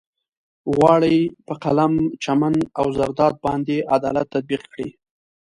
غواړي په قلم، چمن او زرداد باندې عدالت تطبيق کړي.